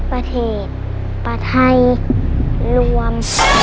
ประเทศประเทศไทยรวม